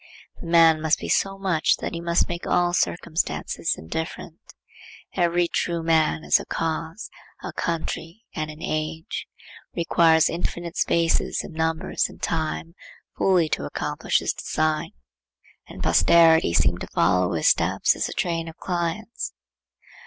The man must be so much that he must make all circumstances indifferent. Every true man is a cause, a country, and an age; requires infinite spaces and numbers and time fully to accomplish his design;—and posterity seem to follow his steps as a train of clients.